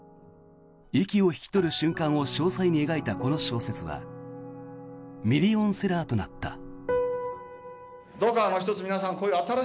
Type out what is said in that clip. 息を引き取る瞬間を詳細に描いたこの小説はミリオンセラーとなった。